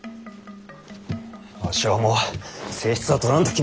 わしはもう正室はとらんと決めておる。